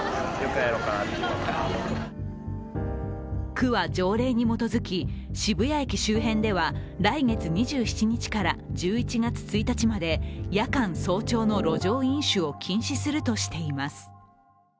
区は条例に基づき、渋谷駅周辺では来月２７日から１１月１日まで夜間、早朝の路上飲酒を禁止するとしています。